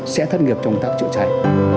sẽ thất nghiệp công tác chữa cháy